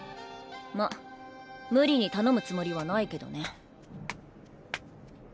ま無理に頼むつもりはないけどね。